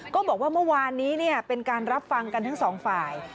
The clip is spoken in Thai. ก็บอกว่าเมื่อวานนี้เป็นการรับฟังกันทั้งสองฝ่าย